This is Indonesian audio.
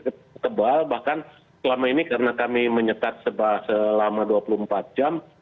pertebal bahkan selama ini karena kami menyetak selama dua puluh empat jam